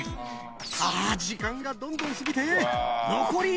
あぁ時間がどんどん過ぎて。